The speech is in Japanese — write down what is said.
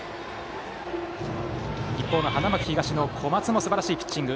一方の花巻東の小松もすばらしいピッチング。